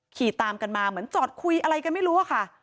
ขี่ตามกันมาเหมือนจอดคุยอะไรกันไม่รู้อะค่ะ